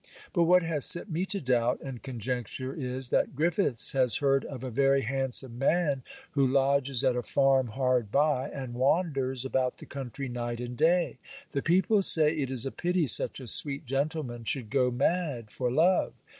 But what has set me to doubt and conjecture is, that Griffiths has heard of a very handsome man who lodges at a farm hard by, and wanders about the country night and day. The people say it is a pity such a sweet gentleman should go mad for love.